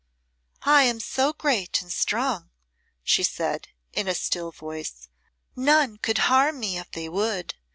"I am so great and strong," she said, in a still voice, "none could harm me if they would.